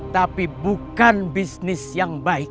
tapi bukan bisnis yang baik